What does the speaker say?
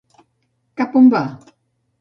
Cap a on van?